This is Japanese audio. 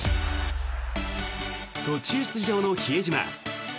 途中出場の比江島。